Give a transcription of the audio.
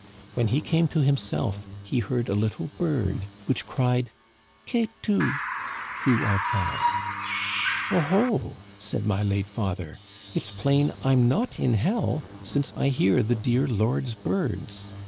" When he came to himself he heard a little bird, which cried Qué tu ? (Who art thou ?)"* Oh, ho !' said my late father, * it's plain I'm not in hell, since I hear the dear Lord's birds